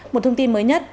một thông tin mới nhất